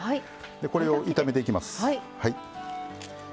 これを炒めていきます。